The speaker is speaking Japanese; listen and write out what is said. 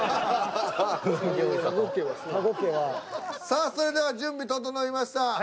さあそれでは準備整いました。